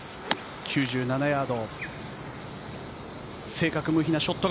９７ヤード。